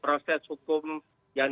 proses hukum yang